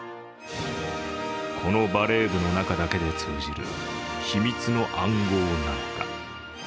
このバレー部の中だけで通じる秘密の暗号なのか。